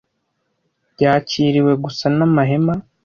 yakiriwe gusa namahema